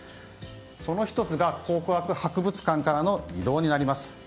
その１つが考古学博物館からの移動になります。